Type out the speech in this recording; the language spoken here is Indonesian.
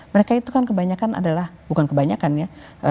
mereka itu kan kebanyakan adalah bukan kebanyakan ya